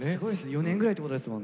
４年ぐらいってことですもんね